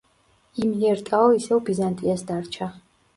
იმიერტაო ისევ ბიზანტიას დარჩა.